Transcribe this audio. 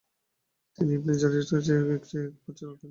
তিনি Ibn Jarir আল-তাবারীর চেয়ে এক বছর আগে নিশাপুরে জন্মগ্রহণ করেছিলেন।